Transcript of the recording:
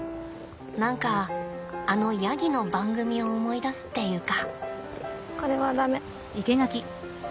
何かあのヤギの番組を思い出すっていうか。